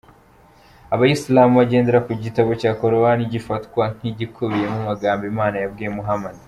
Abayisilamu bagendera ku gitabo cya Korowani gifatwa nk’igikubiyemo amagambo Imana yabwiye Muhammad.